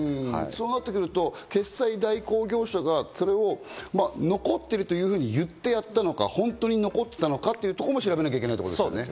そうなってくると決済代行業者が残ってるというふうに言ってやったのか、本当に残っていたのかというところも調べなきゃいけないですね。